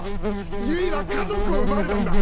唯は家族を奪われたんだ！